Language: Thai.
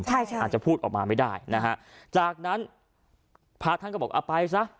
ใช่ใช่อาจจะพูดออกมาไม่ได้นะฮะจากนั้นพระท่านก็บอกเอาไปซะ